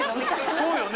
そうよね。